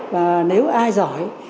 và nếu ai giỏi